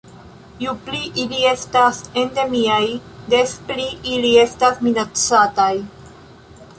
Ju pli ili estas endemiaj, des pli ili estas minacataj.